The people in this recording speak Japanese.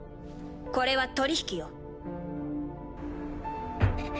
これは取り引きよ。